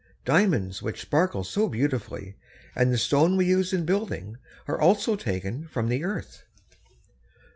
Diamonds which sparkle so beautifully, and the stone we use in building, are also taken from the earth.